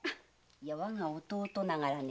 我が弟ながらね